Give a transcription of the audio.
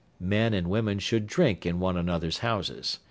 _ Men and women should drink in one another's houses.